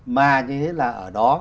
mà như thế là ở đó